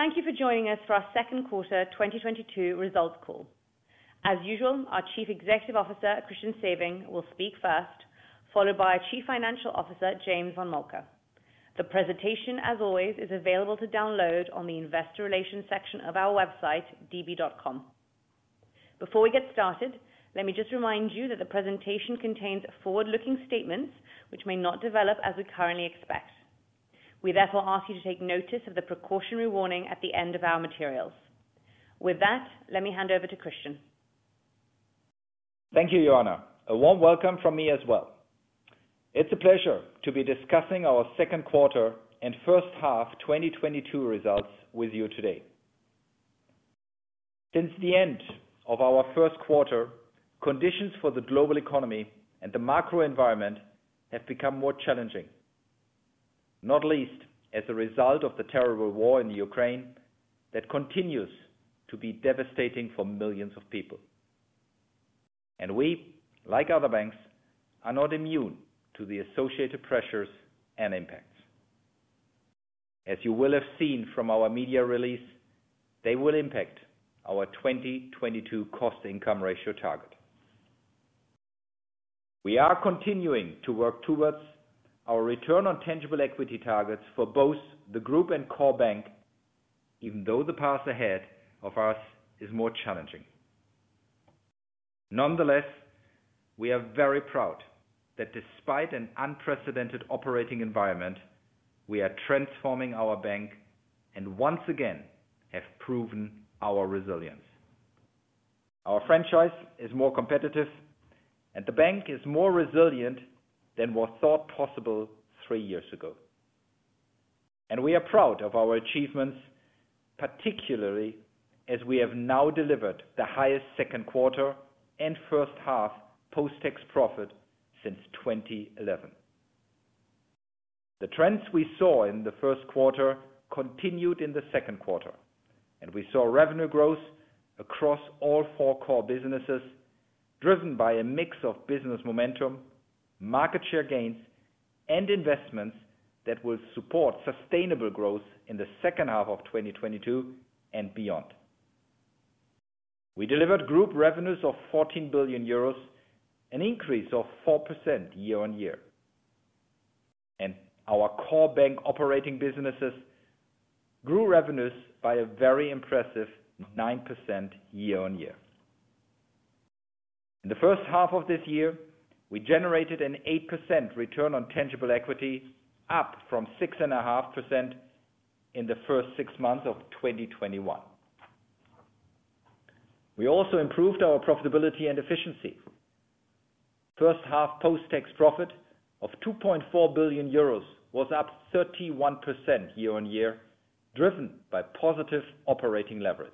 Thank you for joining us for our second quarter 2022 results call. As usual, our Chief Executive Officer, Christian Sewing, will speak first, followed by our Chief Financial Officer, James von Moltke. The presentation, as always, is available to download on the investor relations section of our website, db.com. Before we get started, let me just remind you that the presentation contains forward-looking statements which may not develop as we currently expect. We therefore ask you to take notice of the precautionary warning at the end of our materials. With that, let me hand over to Christian. Thank you, Ioana. A warm welcome from me as well. It's a pleasure to be discussing our second quarter and first half 2022 results with you today. Since the end of our first quarter, conditions for the global economy and the macro environment have become more challenging, not least as a result of the terrible war in Ukraine that continues to be devastating for millions of people. We, like other banks, are not immune to the associated pressures and impacts. As you will have seen from our media release, they will impact our 2022 cost-income ratio target. We are continuing to work towards our return on tangible equity targets for both the group and core bank, even though the path ahead of us is more challenging. Nonetheless, we are very proud that despite an unprecedented operating environment, we are transforming our bank and once again have proven our resilience. Our franchise is more competitive and the bank is more resilient than was thought possible three years ago. We are proud of our achievements, particularly as we have now delivered the highest second quarter and first half post-tax profit since 2011. The trends we saw in the first quarter continued in the second quarter, and we saw revenue growth across all four core businesses, driven by a mix of business momentum, market share gains, and investments that will support sustainable growth in the second half of 2022 and beyond. We delivered group revenues of 14 billion euros, an increase of 4% year-on-year. Our core bank operating businesses grew revenues by a very impressive 9% year-on-year. In the first half of this year, we generated an 8% return on tangible equity, up from 6.5% in the first six months of 2021. We also improved our profitability and efficiency. First half post-tax profit of 2.4 billion euros was up 31% year-on-year, driven by positive operating leverage.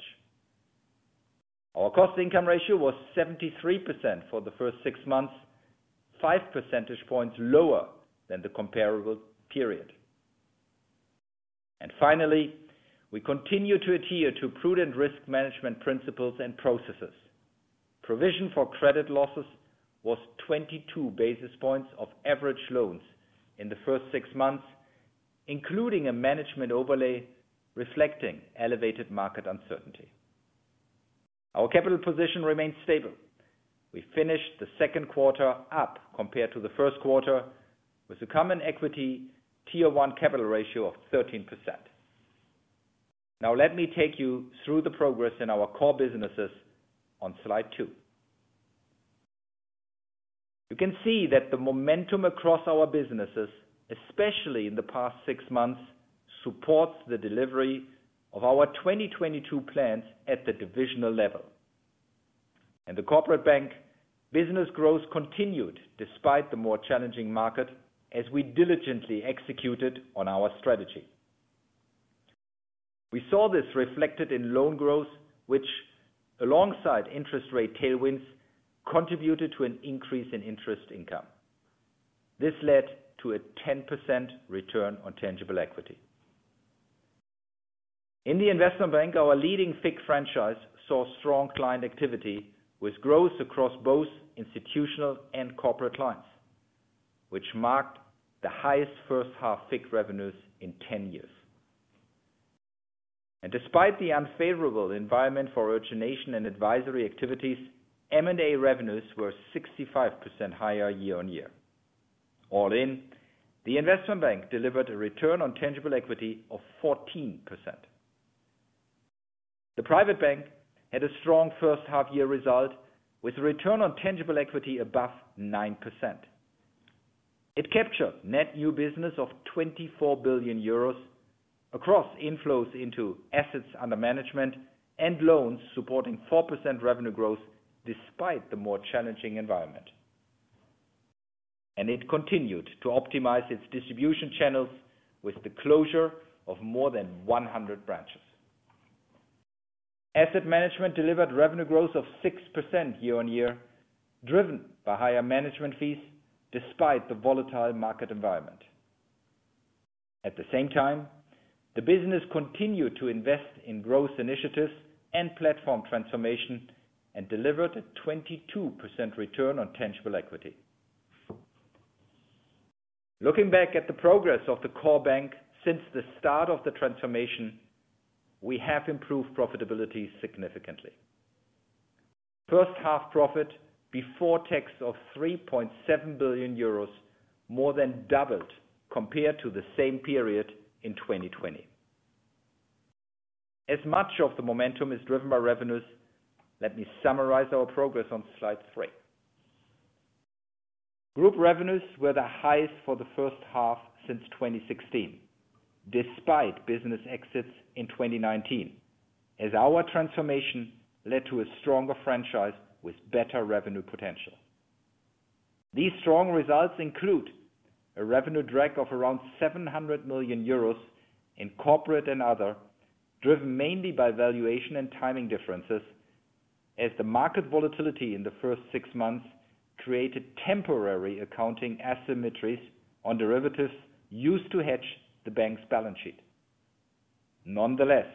Our cost-income ratio was 73% for the first six months, five percentage points lower than the comparable period. We continue to adhere to prudent risk management principles and processes. Provision for credit losses was 22 basis points of average loans in the first six months, including a management overlay reflecting elevated market uncertainty. Our capital position remains stable. We finished the second quarter up compared to the first quarter with a Common Equity Tier 1 capital ratio of 13%. Now let me take you through the progress in our core businesses on slide two. You can see that the momentum across our businesses, especially in the past six months, supports the delivery of our 2022 plans at the divisional level. In the Corporate Bank, business growth continued despite the more challenging market as we diligently executed on our strategy. We saw this reflected in loan growth, which alongside interest rate tailwinds, contributed to an increase in interest income. This led to a 10% return on tangible equity. In the Investment Bank, our leading FIC franchise saw strong client activity with growth across both institutional and corporate clients, which marked the highest first half FIC revenues in 10 years. Despite the unfavorable environment for origination and advisory activities, M&A revenues were 65% higher year-on-year. All in, the Investment Bank delivered a return on tangible equity of 14%. The Private Bank had a strong first half year result with a return on tangible equity above 9%. It captured net new business of 24 billion euros across inflows into assets under management and loans supporting 4% revenue growth despite the more challenging environment. It continued to optimize its distribution channels with the closure of more than 100 branches. Asset Management delivered revenue growth of 6% year-on-year, driven by higher management fees despite the volatile market environment. At the same time, the business continued to invest in growth initiatives and platform transformation and delivered a 22% return on tangible equity. Looking back at the progress of the core bank since the start of the transformation, we have improved profitability significantly. First half profit before tax of 3.7 billion euros, more than doubled compared to the same period in 2020. As much of the momentum is driven by revenues, let me summarize our progress on slide three. Group revenues were the highest for the first half since 2016, despite business exits in 2019 as our transformation led to a stronger franchise with better revenue potential. These strong results include a revenue drag of around 700 million euros in corporate and other, driven mainly by valuation and timing differences as the market volatility in the first six months created temporary accounting asymmetries on derivatives used to hedge the bank's balance sheet. Nonetheless,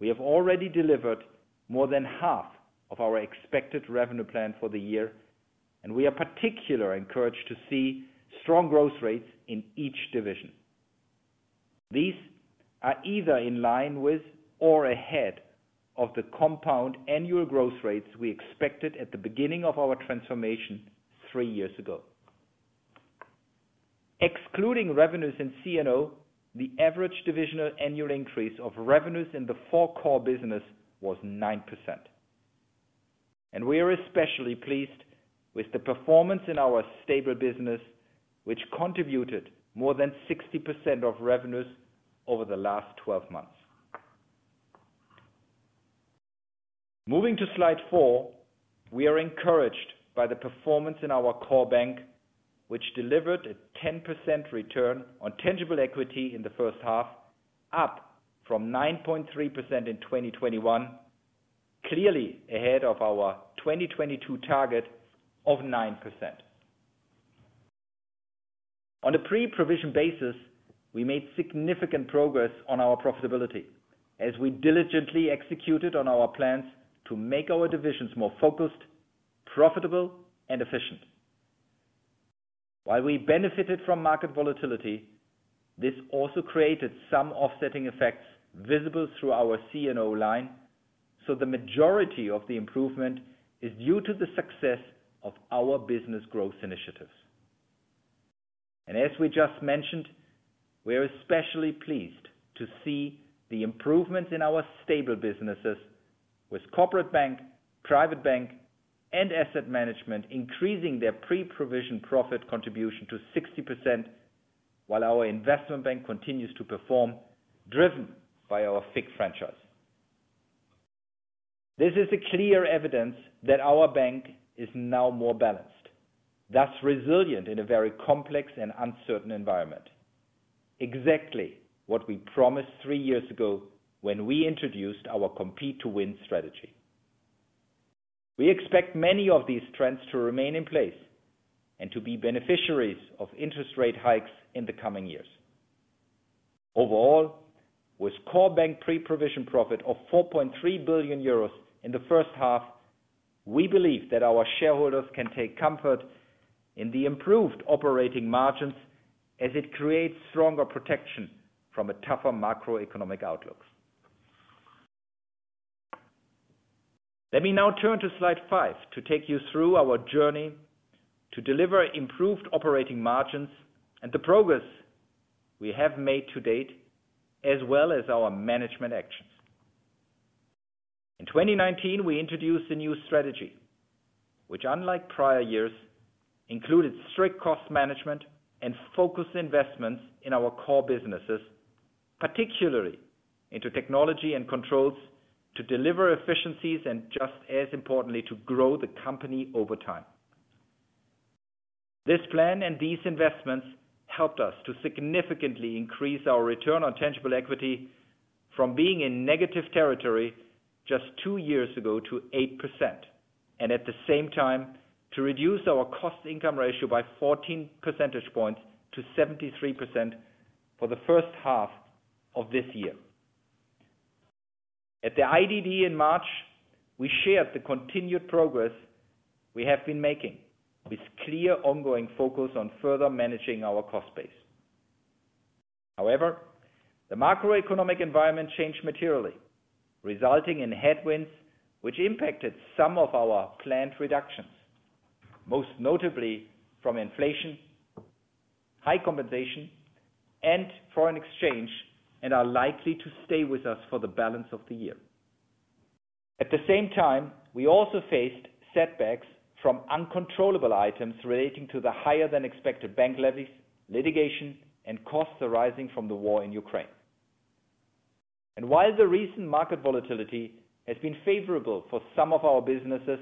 we have already delivered more than half of our expected revenue plan for the year, and we are particularly encouraged to see strong growth rates in each division. These are either in line with or ahead of the compound annual growth rates we expected at the beginning of our transformation three years ago. Excluding revenues in CNO, the average divisional annual increase of revenues in the four core business was 9%. We are especially pleased with the performance in our stable business, which contributed more than 60% of revenues over the last 12 months. Moving to slide four. We are encouraged by the performance in our core bank, which delivered a 10% return on tangible equity in the first half, up from 9.3% in 2021, clearly ahead of our 2022 target of 9%. On a pre-provision basis, we made significant progress on our profitability as we diligently executed on our plans to make our divisions more focused, profitable and efficient. While we benefited from market volatility, this also created some offsetting effects visible through our CNO line. The majority of the improvement is due to the success of our business growth initiatives. As we just mentioned, we are especially pleased to see the improvements in our stable businesses with Corporate Bank, Private Bank and Asset Management increasing their pre-provision profit contribution to 60%, while our Investment Bank continues to perform, driven by our FICC franchise. This is a clear evidence that our bank is now more balanced, thus resilient in a very complex and uncertain environment. Exactly what we promised three years ago when we introduced our Compete to Win strategy. We expect many of these trends to remain in place and to be beneficiaries of interest rate hikes in the coming years. Overall, with core bank pre-provision profit of 4.3 billion euros in the first half, we believe that our shareholders can take comfort in the improved operating margins as it creates stronger protection from a tougher macroeconomic outlook. Let me now turn to slide five to take you through our journey to deliver improved operating margins and the progress we have made to date, as well as our management actions. In 2019 we introduced a new strategy which, unlike prior years, included strict cost management and focused investments in our core businesses, particularly into technology and controls, to deliver efficiencies and just as importantly, to grow the company over time. This plan and these investments helped us to significantly increase our return on tangible equity from being in negative territory just two years ago to 8% and at the same time to reduce our cost-income ratio by 14 percentage points to 73% for the first half of this year. At the IDD in March, we shared the continued progress we have been making with clear ongoing focus on further managing our cost base. However, the macroeconomic environment changed materially, resulting in headwinds which impacted some of our planned reductions, most notably from inflation, high compensation and foreign exchange, and are likely to stay with us for the balance of the year. At the same time, we also faced setbacks from uncontrollable items relating to the higher than expected bank levies, litigation and costs arising from the war in Ukraine. While the recent market volatility has been favorable for some of our businesses,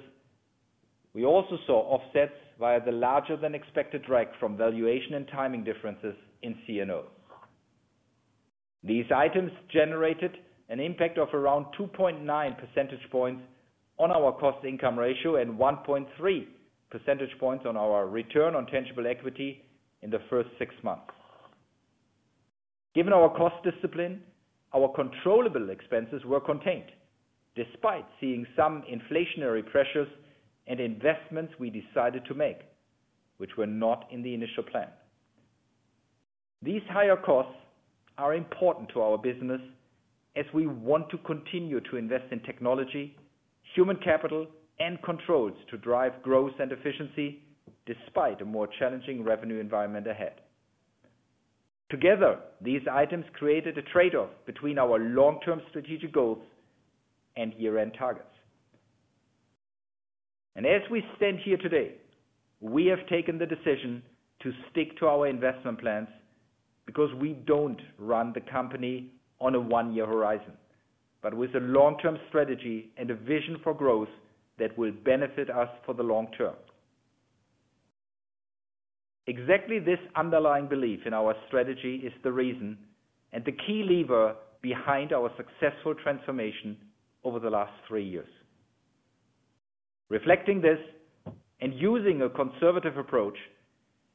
we also saw offsets via the larger than expected drag from valuation and timing differences in CNO. These items generated an impact of around 2.9 percentage points on our cost-income ratio and 1.3 percentage points on our return on tangible equity in the first six months. Given our cost discipline, our controllable expenses were contained despite seeing some inflationary pressures and investments we decided to make, which were not in the initial plan. These higher costs are important to our business as we want to continue to invest in technology, human capital, and controls to drive growth and efficiency despite a more challenging revenue environment ahead. Together, these items created a trade-off between our long-term strategic goals and year-end targets. As we stand here today, we have taken the decision to stick to our investment plans because we don't run the company on a one-year horizon, but with a long-term strategy and a vision for growth that will benefit us for the long term. Exactly this underlying belief in our strategy is the reason and the key lever behind our successful transformation over the last three years. Reflecting this and using a conservative approach,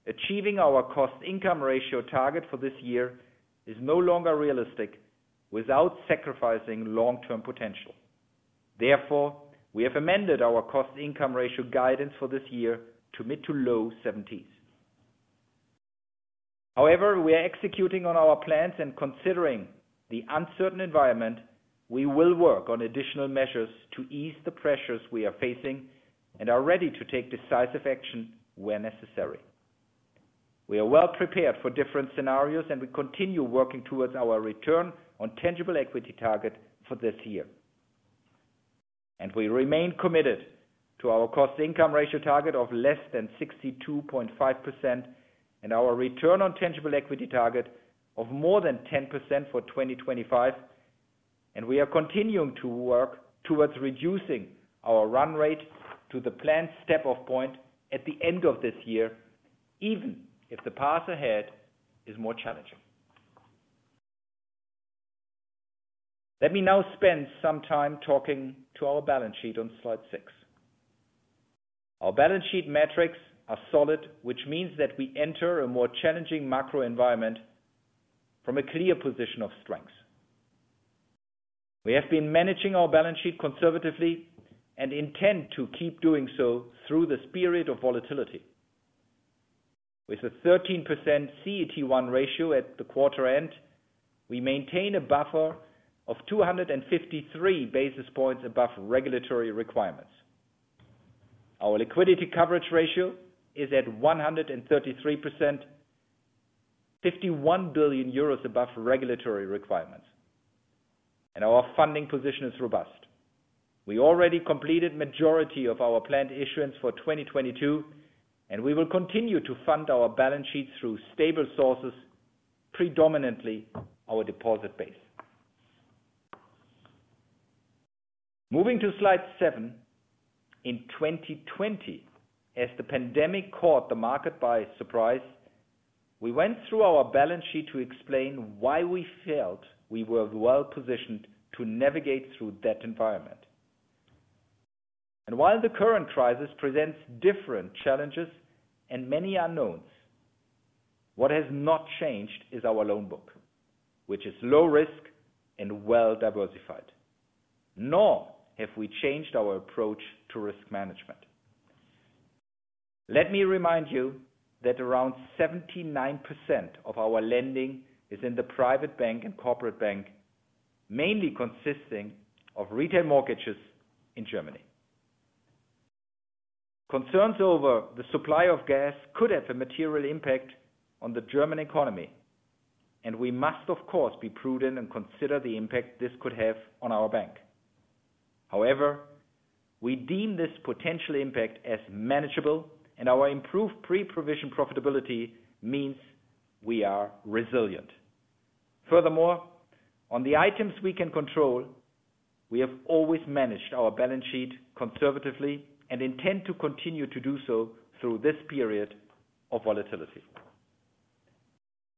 achieving our cost-income ratio target for this year is no longer realistic without sacrificing long-term potential. Therefore, we have amended our cost-income ratio guidance for this year to mid-to-low 70s%. However, we are executing on our plans and considering the uncertain environment, we will work on additional measures to ease the pressures we are facing and are ready to take decisive action where necessary. We are well prepared for different scenarios, and we continue working towards our return on tangible equity target for this year. We remain committed to our cost-income ratio target of less than 62.5% and our return on tangible equity target of more than 10% for 2025, and we are continuing to work towards reducing our run rate to the planned step-off point at the end of this year, even if the path ahead is more challenging. Let me now spend some time talking to our balance sheet on slide six. Our balance sheet metrics are solid, which means that we enter a more challenging macro environment from a clear position of strength. We have been managing our balance sheet conservatively and intend to keep doing so through this period of volatility. With a 13% CET1 ratio at the quarter-end, we maintain a buffer of 253 basis points above regulatory requirements. Our liquidity coverage ratio is at 133%, 51 billion euros above regulatory requirements. Our funding position is robust. We already completed majority of our planned issuance for 2022, and we will continue to fund our balance sheet through stable sources, predominantly our deposit base. Moving to slide seven. In 2020, as the pandemic caught the market by surprise, we went through our balance sheet to explain why we felt we were well-positioned to navigate through that environment. While the current crisis presents different challenges and many unknowns, what has not changed is our loan book, which is low risk and well diversified. Nor have we changed our approach to risk management. Let me remind you that around 79% of our lending is in the Private Bank and Corporate Bank, mainly consisting of retail mortgages in Germany. Concerns over the supply of gas could have a material impact on the German economy, and we must of course, be prudent and consider the impact this could have on our bank. However, we deem this potential impact as manageable and our improved pre-provision profitability means we are resilient. Furthermore, on the items we can control, we have always managed our balance sheet conservatively and intend to continue to do so through this period of volatility.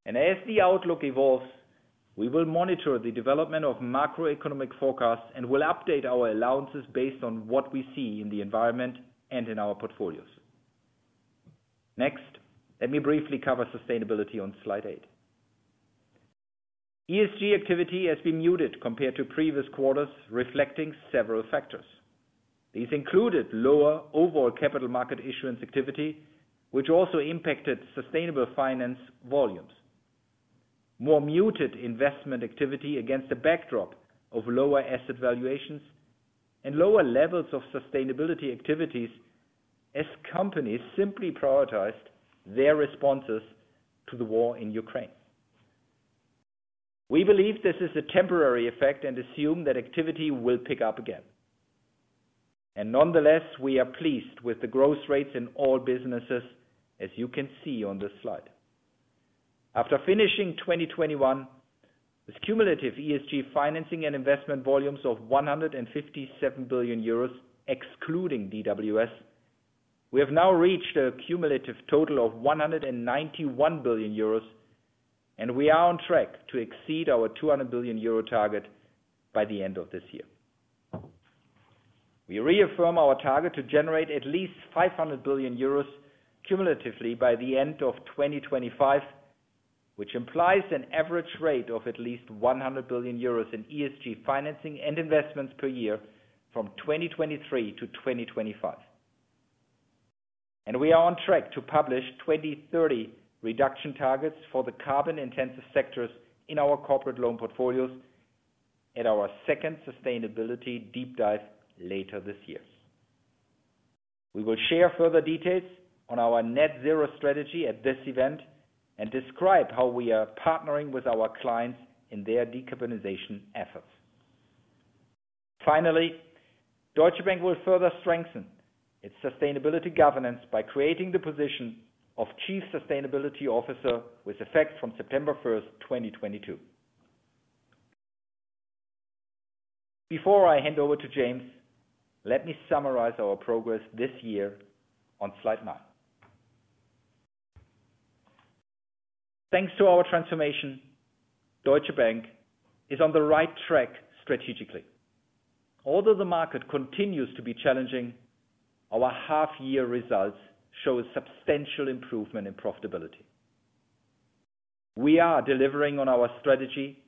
As the outlook evolves, we will monitor the development of macroeconomic forecasts and will update our allowances based on what we see in the environment and in our portfolios. Next, let me briefly cover sustainability on slide eight. ESG activity has been muted compared to previous quarters, reflecting several factors. These included lower overall capital market issuance activity, which also impacted sustainable finance volumes. More muted investment activity against a backdrop of lower asset valuations and lower levels of sustainability activities as companies simply prioritized their responses to the war in Ukraine. We believe this is a temporary effect and assume that activity will pick up again. Nonetheless, we are pleased with the growth rates in all businesses, as you can see on this slide. After finishing 2021 with cumulative ESG financing and investment volumes of 157 billion euros excluding DWS, we have now reached a cumulative total of 191 billion euros, and we are on track to exceed our 200 billion euro target by the end of this year. We reaffirm our target to generate at least 500 billion euros cumulatively by the end of 2025, which implies an average rate of at least 100 billion euros in ESG financing and investments per year from 2023 to 2025. We are on track to publish 2030 reduction targets for the carbon-intensive sectors in our corporate loan portfolios at our second sustainability deep dive later this year. We will share further details on our net zero strategy at this event and describe how we are partnering with our clients in their decarbonization efforts. Finally, Deutsche Bank will further strengthen its sustainability governance by creating the position of Chief Sustainability Officer with effect from September 1, 2022. Before I hand over to James, let me summarize our progress this year on slide nine. Thanks to our transformation, Deutsche Bank is on the right track strategically. Although the market continues to be challenging, our half-year results show a substantial improvement in profitability. We are delivering on our strategy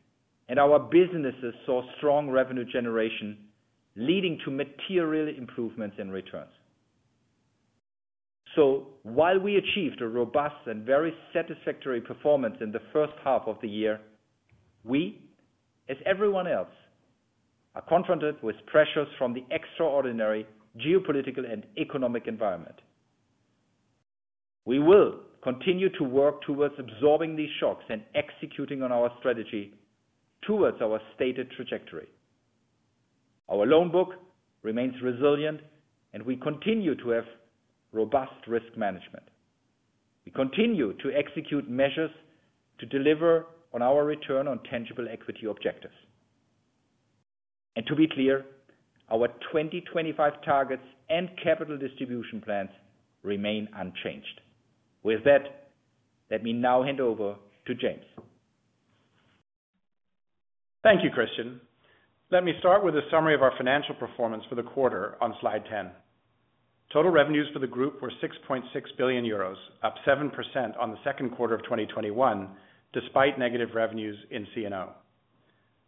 and our businesses saw strong revenue generation leading to material improvements in returns. While we achieved a robust and very satisfactory performance in the first half of the year, we, as everyone else, are confronted with pressures from the extraordinary geopolitical and economic environment. We will continue to work towards absorbing these shocks and executing on our strategy towards our stated trajectory. Our loan book remains resilient, and we continue to have robust risk management. We continue to execute measures to deliver on our return on tangible equity objectives. To be clear, our 2025 targets and capital distribution plans remain unchanged. With that, let me now hand over to James. Thank you, Christian. Let me start with a summary of our financial performance for the quarter on slide 10. Total revenues for the group were 6.6 billion euros, up 7% on the second quarter of 2021, despite negative revenues in CNO.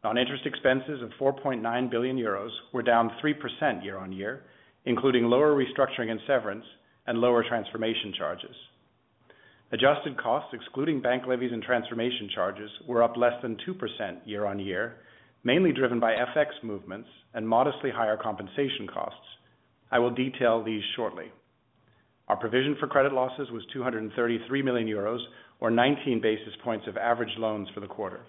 Non-interest expenses of 4.9 billion euros were down 3% year-on-year, including lower restructuring and severance and lower transformation charges. Adjusted costs, excluding bank levies and transformation charges, were up less than 2% year-on-year, mainly driven by FX movements and modestly higher compensation costs. I will detail these shortly. Our provision for credit losses was 233 million euros, or 19 basis points of average loans for the quarter.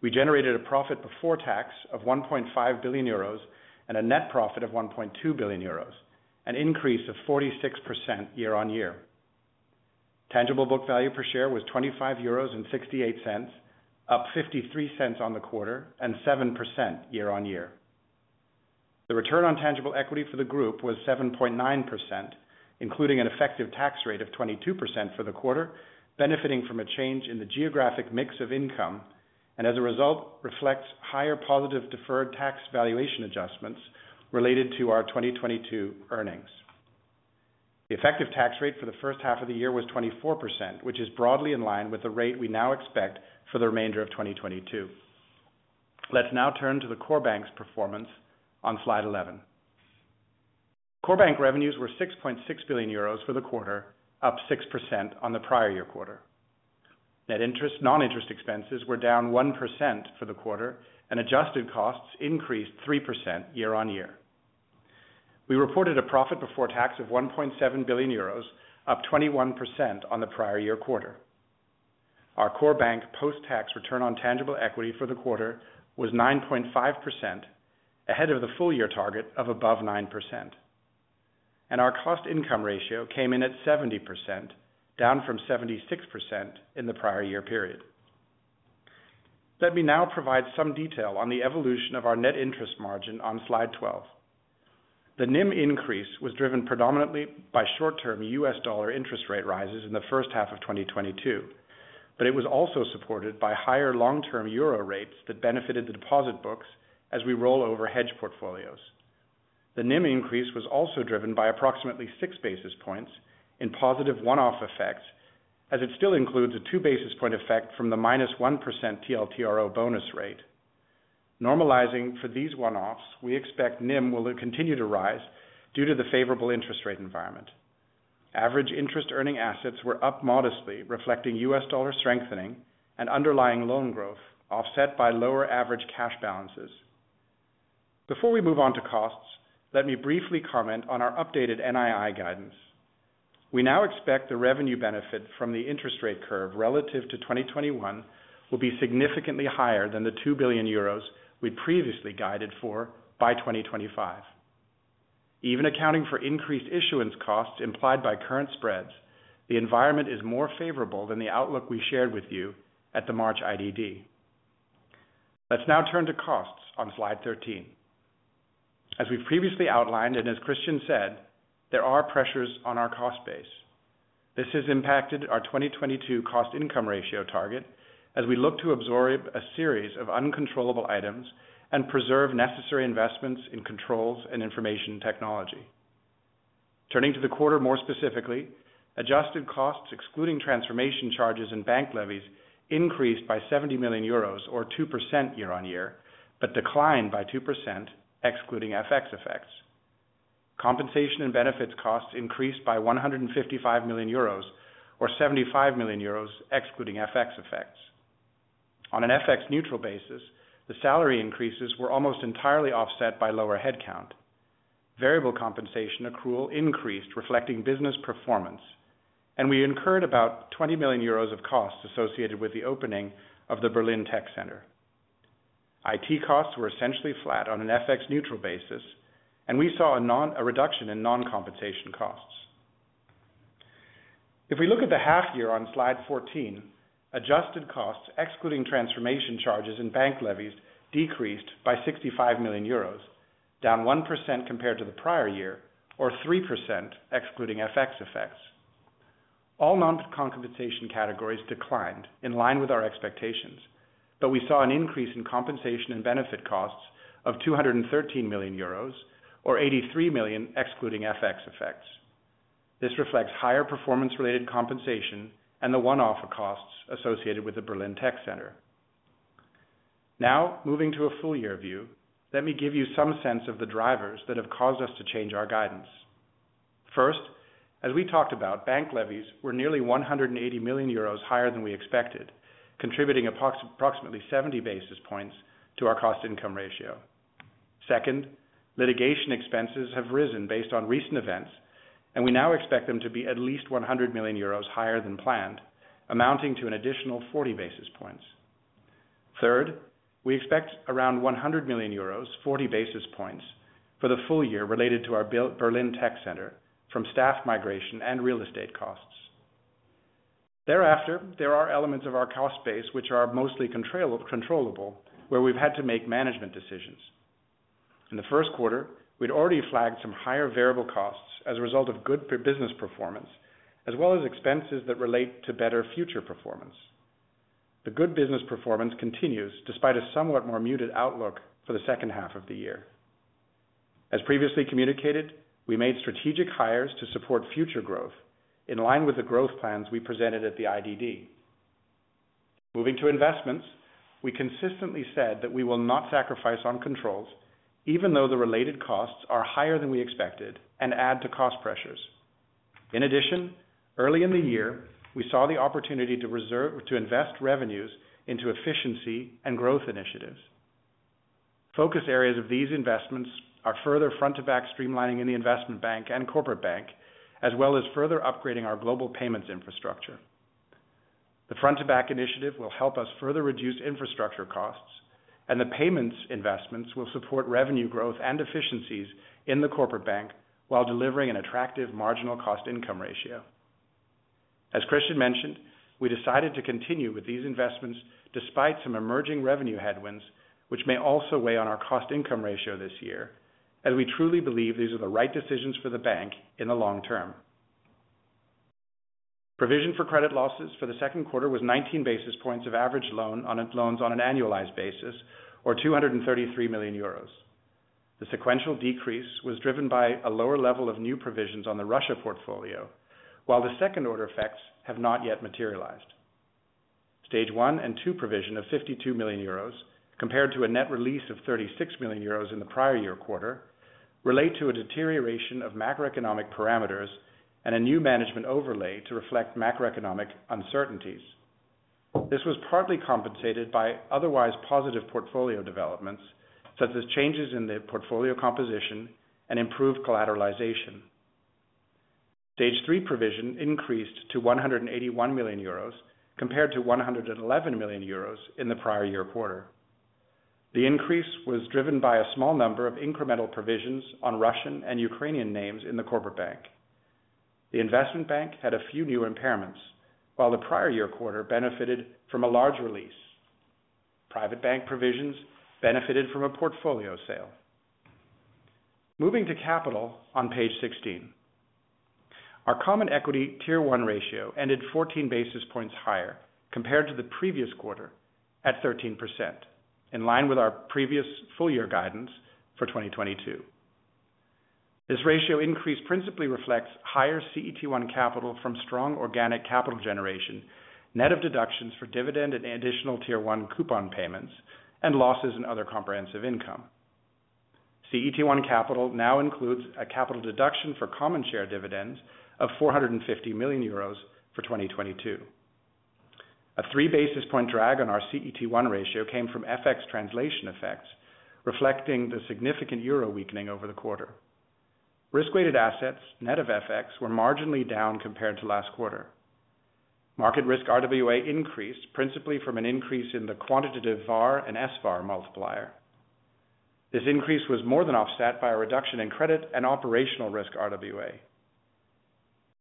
We generated a profit before tax of 1.5 billion euros and a net profit of 1.2 billion euros, an increase of 46% year-on-year. Tangible book value per share was 25.68 euros, up 0.53 on the quarter and 7% year-on-year. The return on tangible equity for the group was 7.9%, including an effective tax rate of 22% for the quarter, benefiting from a change in the geographic mix of income, and as a result, reflects higher positive deferred tax valuation adjustments related to our 2022 earnings. The effective tax rate for the first half of the year was 24%, which is broadly in line with the rate we now expect for the remainder of 2022. Let's now turn to the core bank's performance on slide 11. Core bank revenues were 6.6 billion euros for the quarter, up 6% on the prior-year quarter. Non-interest expenses were down 1% for the quarter, and adjusted costs increased 3% year-on-year. We reported a profit before tax of 1.7 billion euros, up 21% on the prior-year quarter. Our core bank post-tax return on tangible equity for the quarter was 9.5%, ahead of the full-year target of above 9%. Our cost-income ratio came in at 70%, down from 76% in the prior-year period. Let me now provide some detail on the evolution of our Net Interest Margin on slide 12. The NIM increase was driven predominantly by short-term U.S. dollar interest rate rises in the first half of 2022, but it was also supported by higher long-term euro rates that benefited the deposit books as we roll over hedge portfolios. The NIM increase was also driven by approximately 6 basis points in positive one-off effects, as it still includes a 2 basis point effect from the -1% TLTRO bonus rate. Normalizing for these one-offs, we expect NIM will continue to rise due to the favorable interest rate environment. Average interest earning assets were up modestly reflecting U.S. dollar strengthening and underlying loan growth offset by lower average cash balances. Before we move on to costs, let me briefly comment on our updated NII guidance. We now expect the revenue benefit from the interest rate curve relative to 2021 will be significantly higher than the 2 billion euros we previously guided for by 2025. Even accounting for increased issuance costs implied by current spreads, the environment is more favorable than the outlook we shared with you at the March IDD. Let's now turn to costs on slide 13. As we previously outlined, and as Christian said, there are pressures on our cost base. This has impacted our 2022 cost-income ratio target as we look to absorb a series of uncontrollable items and preserve necessary investments in controls and information technology. Turning to the quarter more specifically, adjusted costs excluding transformation charges and bank levies increased by 70 million euros or 2% year-on-year, but declined by 2% excluding FX effects. Compensation and benefits costs increased by 155 million euros or 75 million euros excluding FX effects. On an FX neutral basis, the salary increases were almost entirely offset by lower headcount. Variable compensation accrual increased reflecting business performance, and we incurred about 20 million euros of costs associated with the opening of the Berlin Tech Center. IT costs were essentially flat on an FX neutral basis, and we saw a reduction in non-compensation costs. If we look at the half year on slide 14, adjusted costs excluding transformation charges and bank levies decreased by 65 million euros, down 1% compared to the prior year, or 3% excluding FX effects. All non-compensation categories declined in line with our expectations, but we saw an increase in compensation and benefit costs of 213 million euros or 83 million excluding FX effects. This reflects higher performance related compensation and the one-off costs associated with the Berlin Tech Center. Now moving to a full year view, let me give you some sense of the drivers that have caused us to change our guidance. First, as we talked about, bank levies were nearly 180 million euros higher than we expected, contributing approximately 70 basis points to our cost-income ratio. Second, litigation expenses have risen based on recent events, and we now expect them to be at least 100 million euros higher than planned, amounting to an additional 40 basis points. Third, we expect around 100 million euros, 40 basis points for the full year related to our Berlin Tech Center from staff migration and real estate costs. Thereafter, there are elements of our cost base, which are mostly controllable, where we've had to make management decisions. In the first quarter, we'd already flagged some higher variable costs as a result of good business performance, as well as expenses that relate to better future performance. The good business performance continues despite a somewhat more muted outlook for the second half of the year. As previously communicated, we made strategic hires to support future growth in line with the growth plans we presented at the IDD. Moving to investments, we consistently said that we will not sacrifice on controls even though the related costs are higher than we expected and add to cost pressures. In addition, early in the year, we saw the opportunity to reserve, to invest revenues into efficiency and growth initiatives. Focus areas of these investments are further front to back streamlining in the Investment Bank and Corporate Bank, as well as further upgrading our global payments infrastructure. The front to back initiative will help us further reduce infrastructure costs, and the payments investments will support revenue growth and efficiencies in the Corporate Bank while delivering an attractive marginal cost-income ratio. As Christian mentioned, we decided to continue with these investments despite some emerging revenue headwinds, which may also weigh on our cost-income ratio this year as we truly believe these are the right decisions for the bank in the long term. Provision for credit losses for the second quarter was 19 basis points of average loans on an annualized basis, or 233 million euros. The sequential decrease was driven by a lower level of new provisions on the Russia portfolio, while the second order effects have not yet materialized. Stage one and two provision of 52 million euros compared to a net release of 36 million euros in the prior year quarter relate to a deterioration of macroeconomic parameters and a new management overlay to reflect macroeconomic uncertainties. This was partly compensated by otherwise positive portfolio developments, such as changes in the portfolio composition and improved collateralization. Stage 3 provision increased to 181 million euros compared to 111 million euros in the prior year quarter. The increase was driven by a small number of incremental provisions on Russian and Ukrainian names in the Corporate Bank. The Investment Bank had a few new impairments, while the prior year quarter benefited from a large release. Private Bank provisions benefited from a portfolio sale. Moving to capital on page 16. Our Common Equity Tier 1 Ratio ended 14 basis points higher compared to the previous quarter at 13%, in line with our previous full-year guidance for 2022. This ratio increase principally reflects higher CET1 capital from strong organic capital generation, net of deductions for dividend and additional tier one coupon payments and losses in other comprehensive income. CET1 capital now includes a capital deduction for common share dividends of 450 million euros for 2022. A 3 basis points drag on our CET1 ratio came from FX translation effects, reflecting the significant euro weakening over the quarter. Risk-weighted assets, net of FX, were marginally down compared to last quarter. Market risk RWA increased principally from an increase in the quantitative VAR and SRR multiplier. This increase was more than offset by a reduction in credit and operational risk RWA.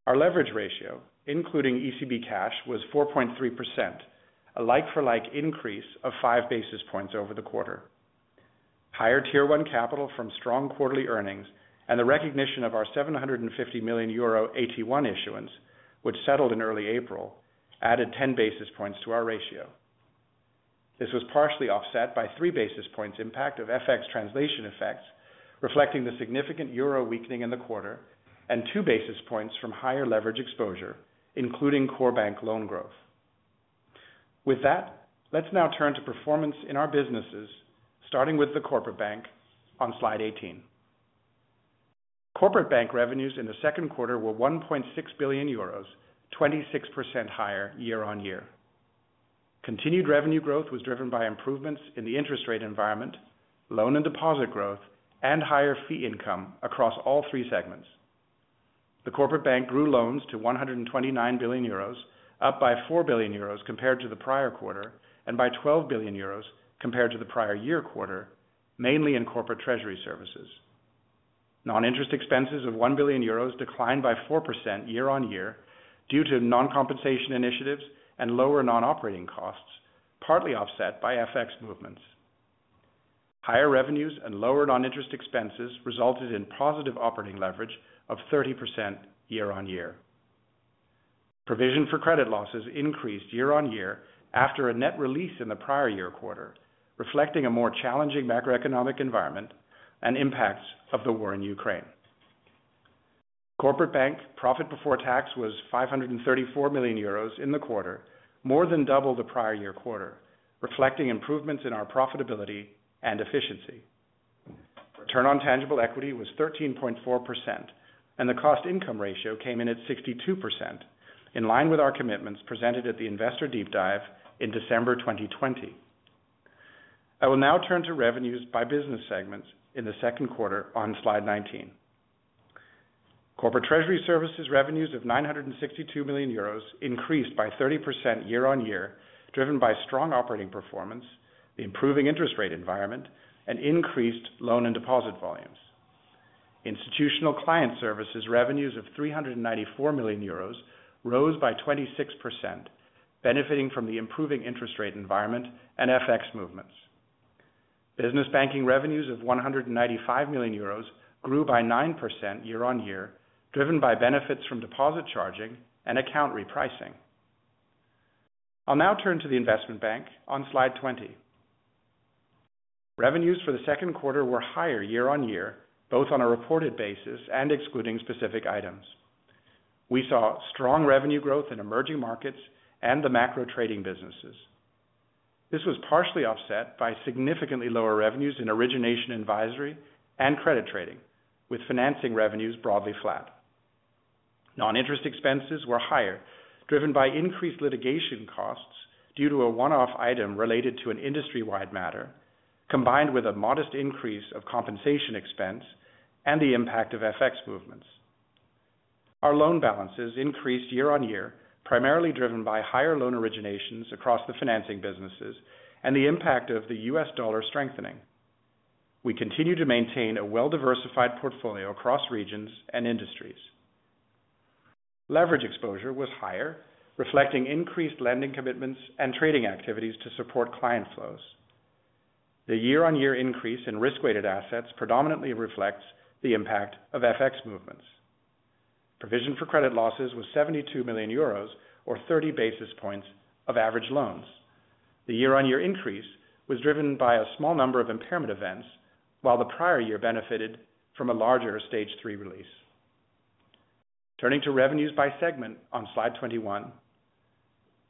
Our leverage ratio, including ECB cash, was 4.3%, a like-for-like increase of 5 basis points over the quarter. Higher Tier 1 capital from strong quarterly earnings and the recognition of our 750 million euro AT1 issuance, which settled in early April, added 10 basis points to our ratio. This was partially offset by 3 basis points impact of FX translation effects, reflecting the significant euro weakening in the quarter and 2 basis points from higher leverage exposure, including core bank loan growth. With that, let's now turn to performance in our businesses, starting with the Corporate Bank on slide 18. Corporate Bank revenues in the second quarter were 1.6 billion euros, 26% higher year-on-year. Continued revenue growth was driven by improvements in the interest rate environment, loan and deposit growth, and higher fee income across all three segments. The Corporate Bank grew loans to 129 billion euros, up by 4 billion euros compared to the prior quarter, and by 12 billion euros compared to the prior year quarter, mainly in Corporate Treasury Services. Non-interest expenses of 1 billion euros declined by 4% year-on-year due to non-compensation initiatives and lower non-operating costs, partly offset by FX movements. Higher revenues and lower non-interest expenses resulted in positive operating leverage of 30% year-on-year. Provision for credit losses increased year-on-year after a net release in the prior year quarter, reflecting a more challenging macroeconomic environment and impacts of the war in Ukraine. Corporate Bank profit before tax was 534 million euros in the quarter, more than double the prior year quarter, reflecting improvements in our profitability and efficiency. Return on tangible equity was 13.4% and the cost-income ratio came in at 62%, in line with our commitments presented at the Investor Deep Dive in December 2020. I will now turn to revenues by business segments in the second quarter on slide 19. Corporate Treasury Services revenues of 962 million euros increased by 30% year-on-year, driven by strong operating performance, the improving interest rate environment, and increased loan and deposit volumes. Institutional Client Services revenues of 394 million euros rose by 26%, benefiting from the improving interest rate environment and FX movements. Business Banking revenues of 195 million euros grew by 9% year-on-year, driven by benefits from deposit charging and account repricing. I'll now turn to the Investment Bank on slide 20. Revenues for the second quarter were higher year-on-year, both on a reported basis and excluding specific items. We saw strong revenue growth in emerging markets and the macro trading businesses. This was partially offset by significantly lower revenues in origination advisory and credit trading, with financing revenues broadly flat. Non-interest expenses were higher, driven by increased litigation costs due to a one-off item related to an industry-wide matter, combined with a modest increase of compensation expense and the impact of FX movements. Our loan balances increased year-on-year, primarily driven by higher loan originations across the financing businesses and the impact of the U.S. dollar strengthening. We continue to maintain a well-diversified portfolio across regions and industries. Leverage exposure was higher, reflecting increased lending commitments and trading activities to support client flows. The year-on-year increase in risk-weighted assets predominantly reflects the impact of FX movements. Provision for credit losses was 72 million euros or 30 basis points of average loans. The year-on-year increase was driven by a small number of impairment events, while the prior year benefited from a larger Stage 3 release. Turning to revenues by segment on slide 21.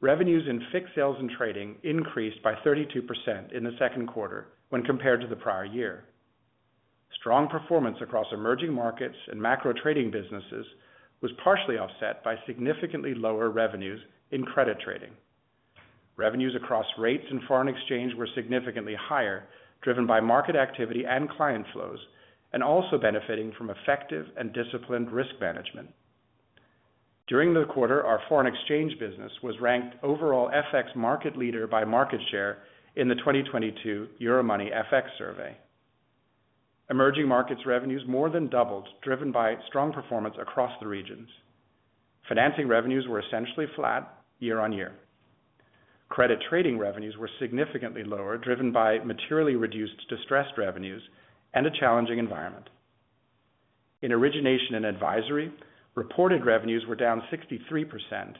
Revenues in FICC sales and trading increased by 32% in the second quarter when compared to the prior year. Strong performance across emerging markets and macro trading businesses was partially offset by significantly lower revenues in credit trading. Revenues across rates and foreign exchange were significantly higher, driven by market activity and client flows, and also benefiting from effective and disciplined risk management. During the quarter, our foreign exchange business was ranked overall FX market leader by market share in the 2022 Euromoney FX Survey. Emerging markets revenues more than doubled, driven by strong performance across the regions. Financing revenues were essentially flat year-on-year. Credit trading revenues were significantly lower, driven by materially reduced distressed revenues and a challenging environment. In origination and advisory, reported revenues were down 63%,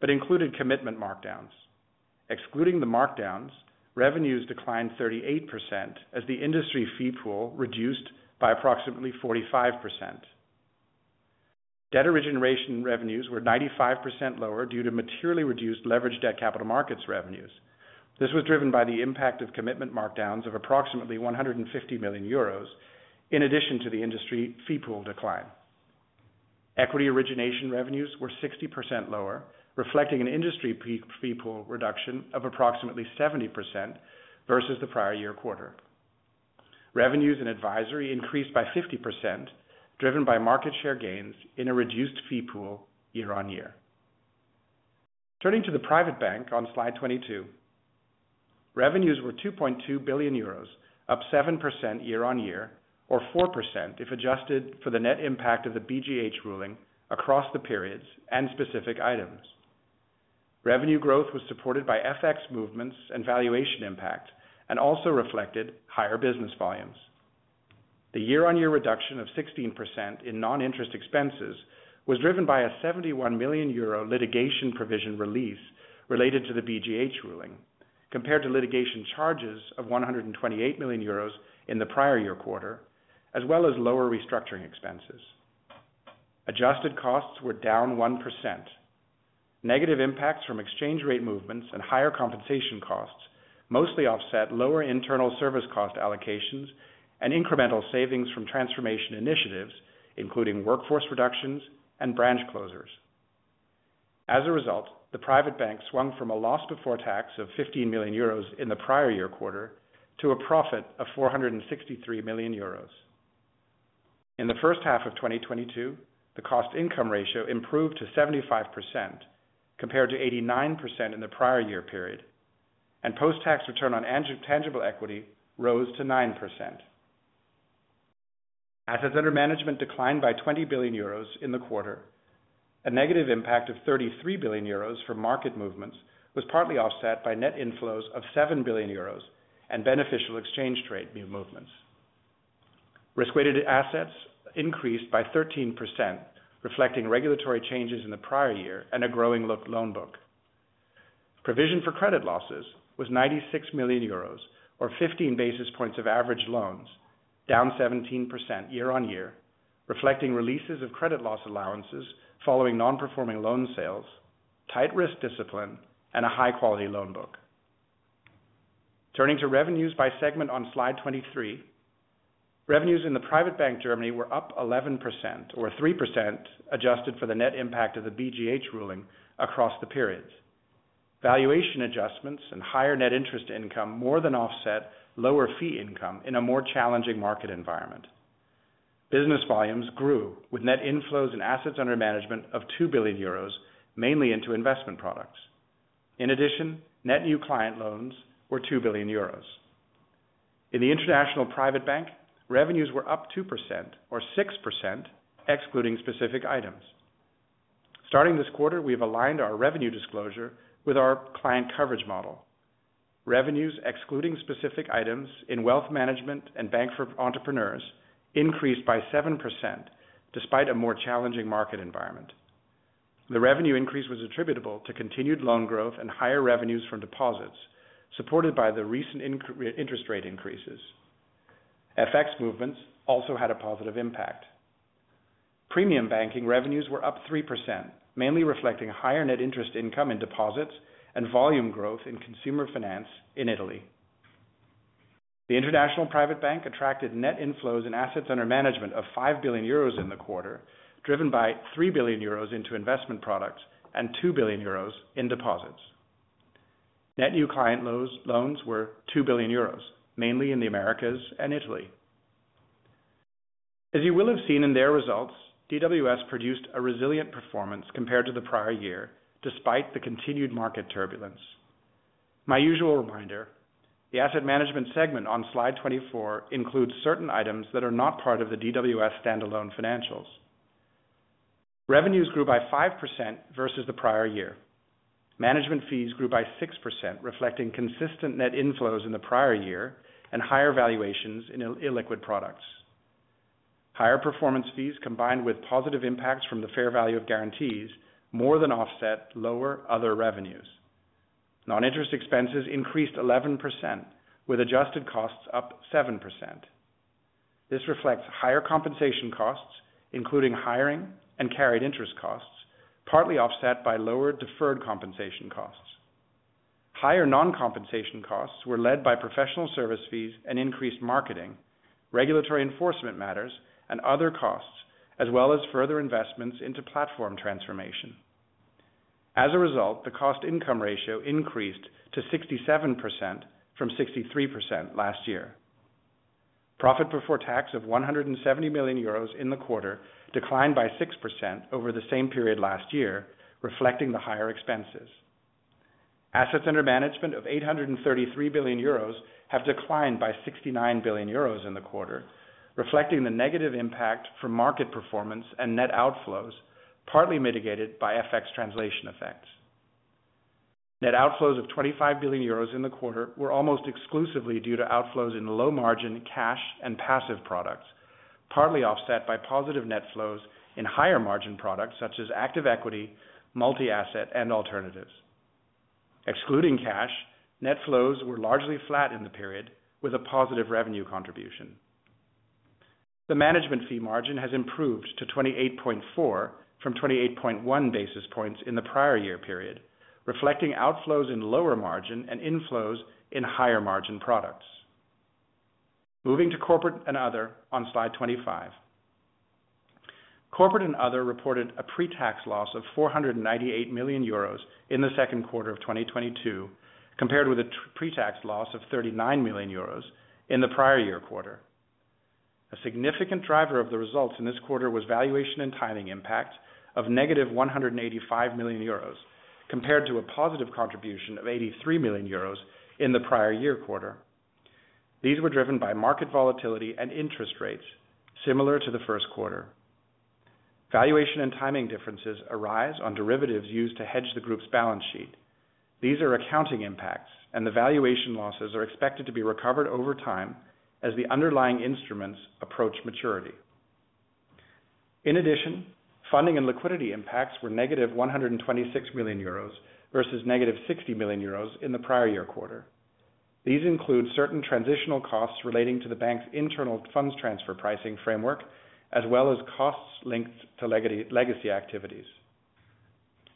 but included commitment markdowns. Excluding the markdowns, revenues declined 38% as the industry fee pool reduced by approximately 45%. Debt origination revenues were 95% lower due to materially reduced leverage debt capital markets revenues. This was driven by the impact of commitment markdowns of approximately 150 million euros in addition to the industry fee pool decline. Equity origination revenues were 60% lower, reflecting an industry fee pool reduction of approximately 70% versus the prior year quarter. Revenues and advisory increased by 50%, driven by market share gains in a reduced fee pool year-on-year. Turning to the Private Bank on slide 22. Revenues were 2.2 billion euros, up 7% year-on-year, or 4% if adjusted for the net impact of the BGH ruling across the periods and specific items. Revenue growth was supported by FX movements and valuation impact and also reflected higher business volumes. The year-on-year reduction of 16% in non-interest expenses was driven by a 71 million euro litigation provision release related to the BGH ruling, compared to litigation charges of 128 million euros in the prior year quarter, as well as lower restructuring expenses. Adjusted costs were down 1%. Negative impacts from exchange rate movements and higher compensation costs mostly offset lower internal service cost allocations and incremental savings from transformation initiatives, including workforce reductions and branch closures. As a result, the Private Bank swung from a loss before tax of 15 million euros in the prior year quarter to a profit of 463 million euros. In the first half of 2022, the cost-income ratio improved to 75% compared to 89% in the prior year period, and post-tax return on tangible equity rose to 9%. Assets under management declined by 20 billion euros in the quarter. A negative impact of 33 billion euros from market movements was partly offset by net inflows of 7 billion euros and beneficial exchange rate movements. Risk-weighted assets increased by 13%, reflecting regulatory changes in the prior year and a growing loan book. Provision for credit losses was 96 million euros or 15 basis points of average loans, down 17% year-on-year, reflecting releases of credit loss allowances following non-performing loan sales, tight risk discipline, and a high-quality loan book. Turning to revenues by segment on slide 23. Revenues in the Private Bank Germany were up 11% or 3% adjusted for the net impact of the BGH ruling across the periods. Valuation adjustments and higher net interest income more than offset lower fee income in a more challenging market environment. Business volumes grew with net inflows and assets under management of 2 billion euros, mainly into investment products. In addition, net new client loans were 2 billion euros. In the International Private Bank, revenues were up 2% or 6%, excluding specific items. Starting this quarter, we have aligned our revenue disclosure with our client coverage model. Revenues, excluding specific items in wealth management and bank for entrepreneurs increased by 7% despite a more challenging market environment. The revenue increase was attributable to continued loan growth and higher revenues from deposits supported by the recent interest rate increases. FX movements also had a positive impact. Premium banking revenues were up 3%, mainly reflecting higher net interest income in deposits and volume growth in consumer finance in Italy. The International Private Bank attracted net inflows and assets under management of 5 billion euros in the quarter, driven by 3 billion euros into investment products and 2 billion euros in deposits. Net new client loans were 2 billion euros, mainly in the Americas and Italy. As you will have seen in their results, DWS produced a resilient performance compared to the prior year, despite the continued market turbulence. My usual reminder, the asset management segment on slide 24 includes certain items that are not part of the DWS standalone financials. Revenues grew by 5% versus the prior year. Management fees grew by 6%, reflecting consistent net inflows in the prior year and higher valuations in illiquid products. Higher performance fees combined with positive impacts from the fair value of guarantees more than offset lower other revenues. Non-interest expenses increased 11%, with adjusted costs up 7%. This reflects higher compensation costs, including hiring and carried interest costs, partly offset by lower deferred compensation costs. Higher non-compensation costs were led by professional service fees and increased marketing, regulatory enforcement matters and other costs, as well as further investments into platform transformation. As a result, the cost-income ratio increased to 67% from 63% last year. Profit before tax of 170 million euros in the quarter declined by 6% over the same period last year, reflecting the higher expenses. Assets under management of 833 billion euros have declined by 69 billion euros in the quarter, reflecting the negative impact from market performance and net outflows, partly mitigated by FX translation effects. Net outflows of 25 billion euros in the quarter were almost exclusively due to outflows in low margin cash and passive products, partly offset by positive net flows in higher margin products such as active equity, multi-asset and alternatives. Excluding cash, net flows were largely flat in the period with a positive revenue contribution. The management fee margin has improved to 28.4 from 28.1 basis points in the prior year period, reflecting outflows in lower margin and inflows in higher margin products. Moving to Corporate and Other on slide 25. Corporate and Other reported a pre-tax loss of 498 million euros in the second quarter of 2022, compared with a pre-tax loss of 39 million euros in the prior year quarter. A significant driver of the results in this quarter was valuation and timing impact of negative 185 million euros, compared to a positive contribution of 83 million euros in the prior year quarter. These were driven by market volatility and interest rates similar to the first quarter. Valuation and timing differences arise on derivatives used to hedge the group's balance sheet. These are accounting impacts and the valuation losses are expected to be recovered over time as the underlying instruments approach maturity. In addition, funding and liquidity impacts were -126 million euros versus -60 million euros in the prior year quarter. These include certain transitional costs relating to the bank's internal funds transfer pricing framework, as well as costs linked to legacy activities.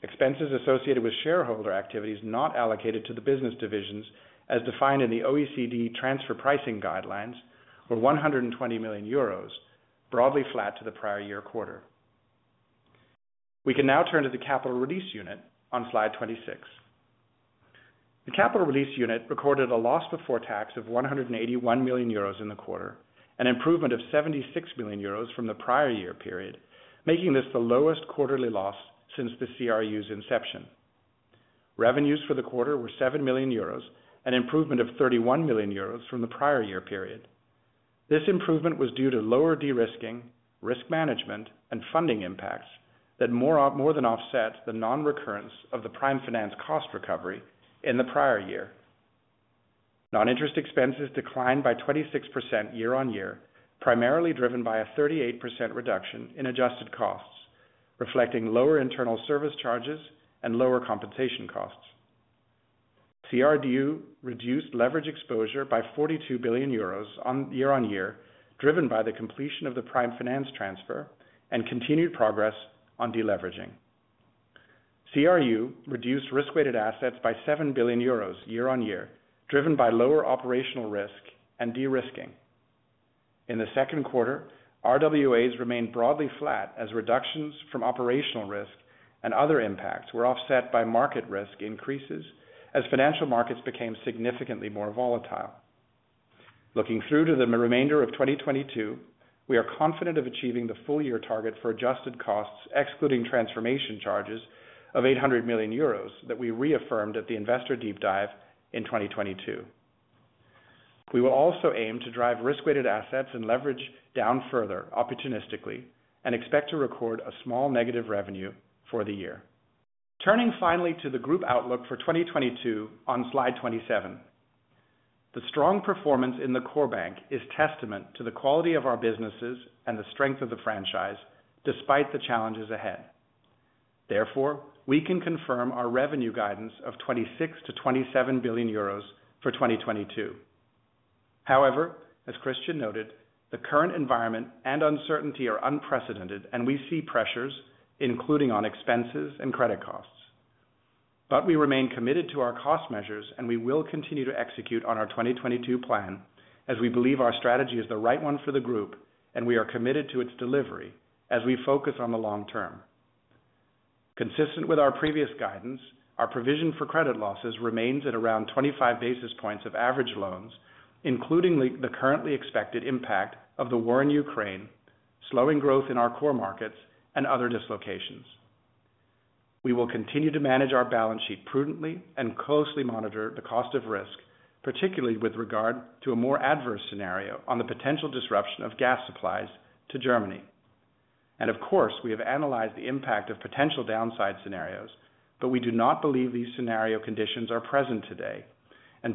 Expenses associated with shareholder activities not allocated to the business divisions as defined in the OECD transfer pricing guidelines were 120 million euros, broadly flat to the prior year quarter. We can now turn to the Capital Release Unit on slide 26. The Capital Release Unit recorded a loss before tax of 181 million euros in the quarter, an improvement of 76 million euros from the prior year period. Revenues for the quarter were 7 million euros, an improvement of 31 million euros from the prior year period. This improvement was due to lower de-risking, risk management, and funding impacts that more than offset the non-recurrence of the prime finance cost recovery in the prior year. Non-interest expenses declined by 26% year-on-year, primarily driven by a 38% reduction in adjusted costs, reflecting lower internal service charges and lower compensation costs. CRU reduced leverage exposure by 42 billion euros year-on-year, driven by the completion of the prime finance transfer and continued progress on de-leveraging. CRU reduced risk-weighted assets by 7 billion euros year-on-year, driven by lower operational risk and de-risking. In the second quarter, RWAs remained broadly flat as reductions from operational risk and other impacts were offset by market risk increases as financial markets became significantly more volatile. Looking through to the remainder of 2022, we are confident of achieving the full year target for adjusted costs excluding transformation charges of 800 million euros that we reaffirmed at the Investor Deep Dive in 2022. We will also aim to drive risk-weighted assets and leverage down further opportunistically and expect to record a small negative revenue for the year. Turning finally to the group outlook for 2022 on slide 27. The strong performance in the core bank is testament to the quality of our businesses and the strength of the franchise despite the challenges ahead. Therefore, we can confirm our revenue guidance of 26 billion-27 billion euros for 2022. However, as Christian noted, the current environment and uncertainty are unprecedented, and we see pressures, including on expenses and credit costs. We remain committed to our cost measures, and we will continue to execute on our 2022 plan as we believe our strategy is the right one for the group, and we are committed to its delivery as we focus on the long term. Consistent with our previous guidance, our provision for credit losses remains at around 25 basis points of average loans, including the currently expected impact of the war in Ukraine, slowing growth in our core markets and other dislocations. We will continue to manage our balance sheet prudently and closely monitor the cost of risk, particularly with regard to a more adverse scenario on the potential disruption of gas supplies to Germany. Of course, we have analyzed the impact of potential downside scenarios, but we do not believe these scenario conditions are present today.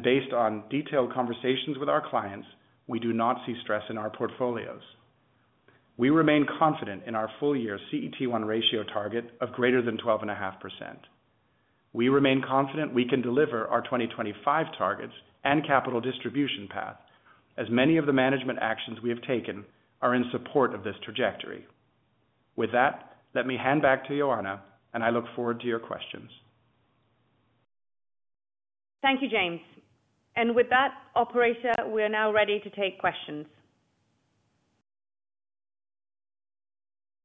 Based on detailed conversations with our clients, we do not see stress in our portfolios. We remain confident in our full year CET1 ratio target of greater than 12.5%. We remain confident we can deliver our 2025 targets and capital distribution path as many of the management actions we have taken are in support of this trajectory. With that, let me hand back to Ioana, and I look forward to your questions. Thank you, James. With that, Operator, we are now ready to take questions.